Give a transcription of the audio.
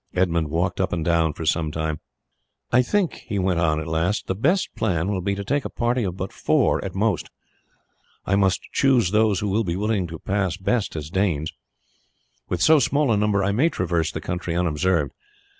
Edmund walked up and down for some time. "I think," he went on at last, "the best plan will be to take a party of but four at most. I must choose those who will be able to pass best as Danes. With so small a number I may traverse the country unobserved.